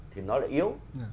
thì nó lại yếu